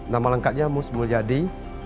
nama lengkapnya mus mulyadi